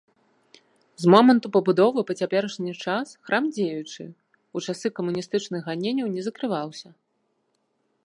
З моманту пабудовы па цяперашні час храм дзеючы, у часы камуністычных ганенняў не закрываўся.